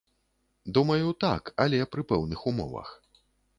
Думаю, так, але пры пэўных умовах.